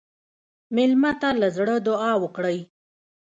مېلمه ته له زړه دعا وکړئ.